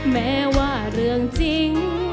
แม้ว่าเรื่องจริง